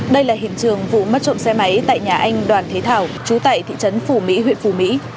đây là hiện trường vụ mất trộm xe máy tại nhà anh đoàn thế thảo chú tại thị trấn phù mỹ huyện phù mỹ